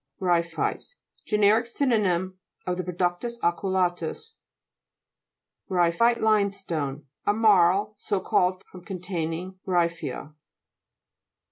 GRT'PHITES Generic synonym of the productus aculeatus (p. 49). GRY'PHITE LIMESTONE A marl, so called from containing gry'phea.